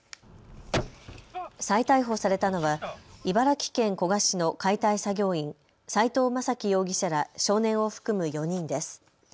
再逮捕されたのは茨城県古河市の解体作業員、斉藤雅樹容疑者ら少年を含む４人です。